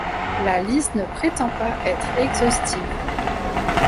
La liste ne prétend pas être exhaustive.